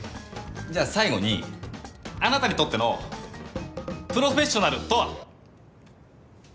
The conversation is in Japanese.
じゃあ最後にあなたにとってのプロフェッショナルとは。